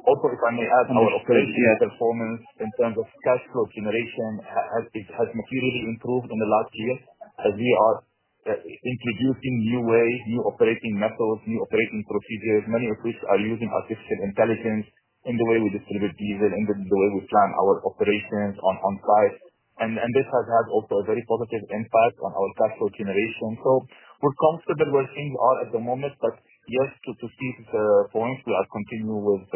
Speaker 3: Also, if I may add, our operational performance in terms of cash flow generation has materially improved in the last year as we are introducing new ways, new operating methods, new operating procedures, many of which are using artificial intelligence in the way we distribute diesel, in the way we plan our operations on site. This has had also a very positive impact on our cash flow generation. We are comfortable where things are at the moment. Yes, to see the points, we continue with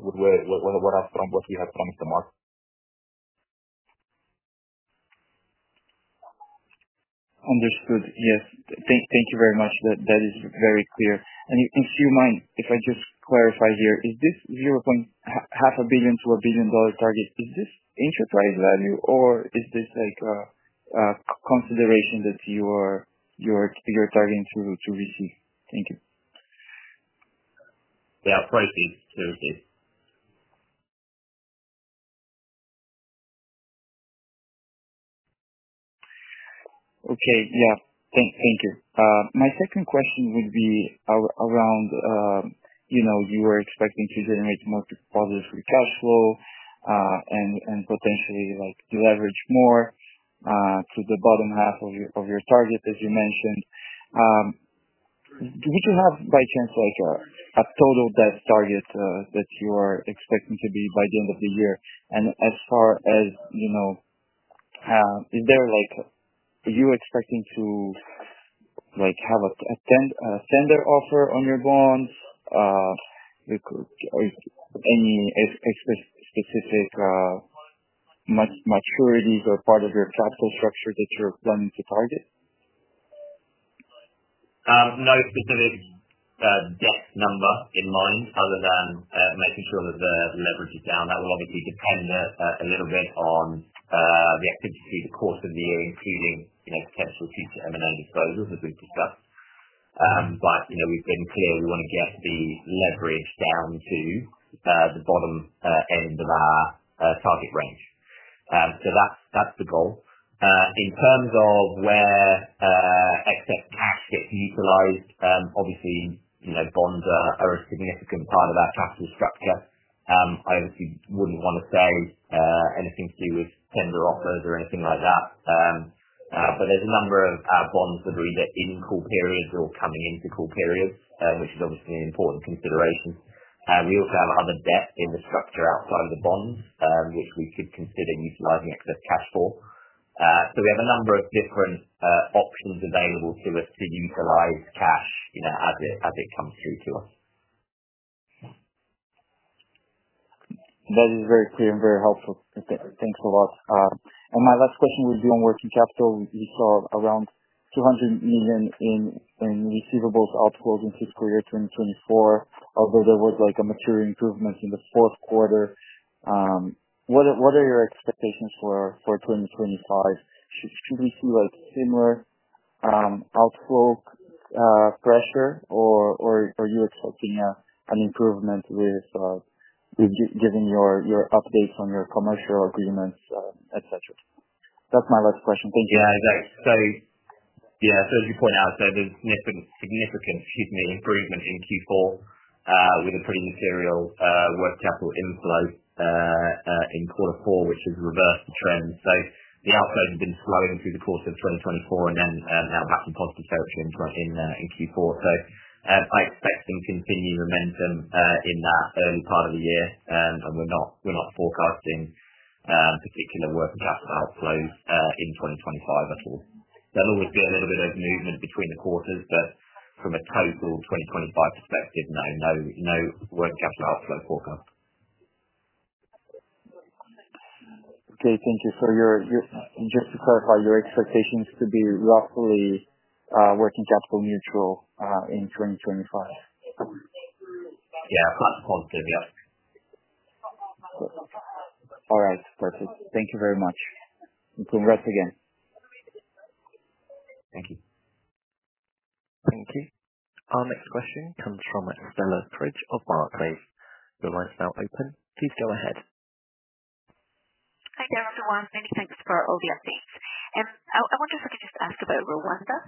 Speaker 3: what we have promised the market.
Speaker 8: Understood. Yes. Thank you very much. That is very clear. If you mind, if I just clarify here, is this $500 million-$1 billion target, is this enterprise value, or is this a consideration that you are targeting to receive? Thank you.
Speaker 3: Yeah. Price is to receive.
Speaker 8: Okay. Yeah. Thank you. My second question would be around you were expecting to generate more positive cash flow and potentially leverage more to the bottom half of your target, as you mentioned. Would you have, by chance, a total debt target that you are expecting to be by the end of the year? As far as is there, are you expecting to have a tender offer on your bonds? Any specific maturities or part of your capital structure that you're planning to target?
Speaker 3: No specific debt number in mind other than making sure that the leverage is down. That will obviously depend a little bit on the activity through the course of the year, including potential future M&A disposals, as we've discussed. We have been clear we want to get the leverage down to the bottom end of our target range. That is the goal. In terms of where excess cash gets utilized, obviously, bonds are a significant part of our capital structure. I obviously would not want to say anything to do with tender offers or anything like that. There is a number of bonds that are either in call periods or coming into call periods, which is obviously an important consideration. We also have other debt in the structure outside of the bonds, which we could consider utilizing excess cash for. We have a number of different options available to us to utilize cash as it comes through to us.
Speaker 8: That is very clear and very helpful. Thanks a lot. My last question would be on working capital. You saw around $200 million in receivables outflows in fiscal year 2024, although there was a mature improvement in the fourth quarter. What are your expectations for 2025? Should we see similar outflow pressure, or are you expecting an improvement given your updates on your commercial agreements, etc.? That's my last question.
Speaker 3: Thank you. Yeah. Exactly. So yeah, as you point out, there's significant improvement in Q4 with a pretty material working capital inflow in quarter four, which has reversed the trend. The outflows have been slowing through the course of 2024 and now back in positive territory in Q4. I expect some continued momentum in that early part of the year. We're not forecasting particular working capital outflows in 2025 at all. There will always be a little bit of movement between the quarters, but from a total 2025 perspective, no, no working capital outflow forecast.
Speaker 8: Okay. Thank you. Just to clarify, your expectation is to be roughly working capital neutral in 2025?
Speaker 3: Yeah. Plus positive. Yep.
Speaker 8: All right. Perfect. Thank you very much. Congrats again. Thank you.
Speaker 4: Thank you. Our next question comes from Stella Cridge of Barclays. Your line's now open. Please go ahead.
Speaker 9: Hi there, everyone. Many thanks for all the updates. I wonder if I could just ask about Rwanda.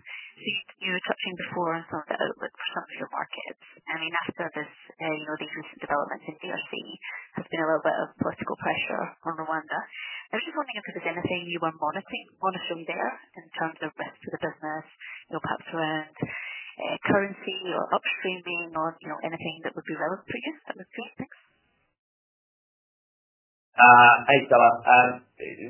Speaker 9: You were touching before on some of the outlook for some of your markets. After these recent developments in Democratic Republic of Congo, there's been a little bit of political pressure on Rwanda. I was just wondering if there was anything you were monitoring there in terms of risks to the business, perhaps around currency or upstreaming or anything that would be relevant for you? That looks great.
Speaker 3: Thanks. Hey, Stella.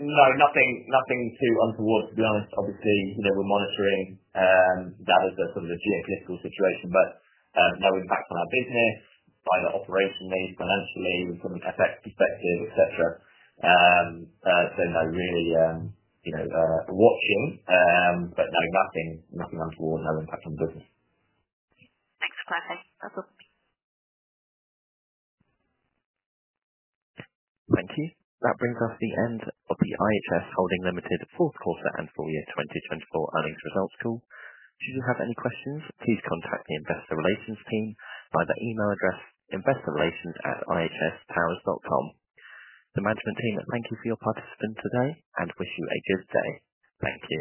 Speaker 3: No, nothing too untoward, to be honest. Obviously, we're monitoring that as a sort of geopolitical situation. No impact on our business, either operationally, financially, from an FX perspective, etc. No, really watching, but no, nothing untoward, no impact on the business.
Speaker 9: Thanks for clarifying. That's all.
Speaker 4: Thank you. That brings us to the end of the IHS Holding Limited fourth quarter and full year 2024 earnings results call. Should you have any questions, please contact the investor relations team via the email address, investorrelations@ihstowers.com. The management team thank you for your participation today and wish you a good day. Thank you.